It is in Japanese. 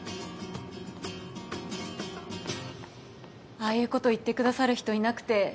ああいうこと言ってくださる人いなくて。